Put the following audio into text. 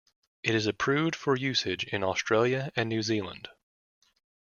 It is approved for usage in Australia and New Zealand.